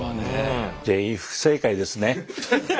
全員不正解ですね。